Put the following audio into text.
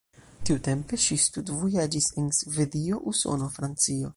Tiutempe ŝi studvojaĝis en Svedio, Usono, Francio.